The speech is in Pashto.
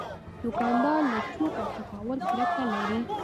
دوکاندار له چور او چپاول کرکه لري.